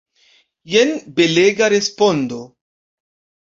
Jen belega respondo!